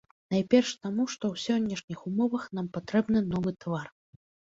Найперш таму, што ў сённяшніх умовах нам патрэбны новы твар.